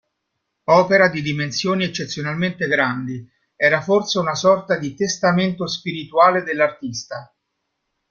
Opera di dimensioni eccezionalmente grandi, era forse una sorta di testamento spirituale dell'artista.